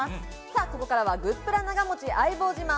さあここからはグップラ長持ち相棒自慢。